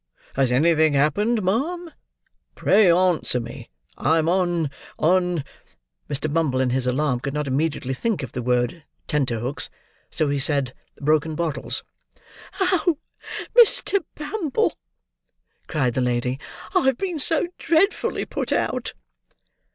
Has anything happened, ma'am? Pray answer me: I'm on—on—" Mr. Bumble, in his alarm, could not immediately think of the word "tenterhooks," so he said "broken bottles." "Oh, Mr. Bumble!" cried the lady, "I have been so dreadfully put out!"